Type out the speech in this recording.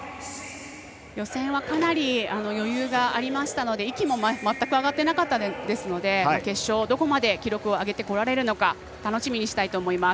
予選はかなり余裕がありましたので息も全く上がってなかったので決勝、どこまで記録を上げてこられるのか楽しみにしたいと思います。